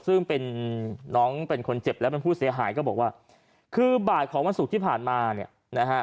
ซึ่งเป็นน้องเป็นคนเจ็บและเป็นผู้เสียหายก็บอกว่าคือบ่ายของวันศุกร์ที่ผ่านมาเนี่ยนะฮะ